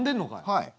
はい。